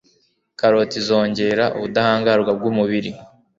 Karoti zongera ubudahangarwa bw'umubiri